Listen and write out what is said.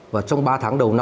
và trong ba tháng đầu năm